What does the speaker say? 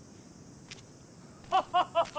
ハハハハ！